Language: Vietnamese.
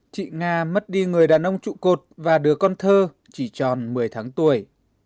chị nga mất đi người đàn ông trụ cột và đứa con thơ chỉ tròn một mươi tháng tuổi